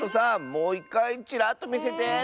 もういっかいチラッとみせて。